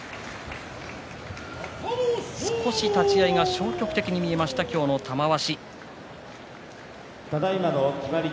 少し立ち合いが消極的に見えました、今日の玉鷲。